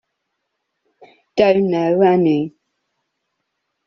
Don't know any.